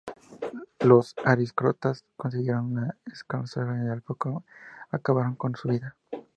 Los aristócratas consiguieron encarcelarlo y al poco acabaron con su vida.